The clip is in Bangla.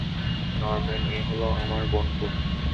নরম্যান, এ হলো আমার বোনপো।